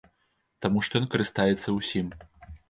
Таму што ён карыстаецца ўсім.